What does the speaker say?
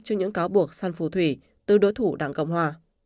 cho những cáo buộc săn phù thủy từ đối thủ đảng cộng hòa